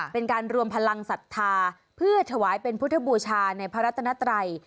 เป็นการรวมพลังศรัทธาเพื่อถวายเป็นพุทธบูชาในพระรัตนัตรัย